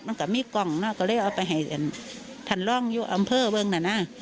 มันก็มีกล่องน่ะก็เลยเอาไปให้ทันร่องอยู่อำเภอเมืองนั้นน่ะ